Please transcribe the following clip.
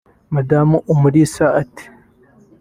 Madamu Umulisa ati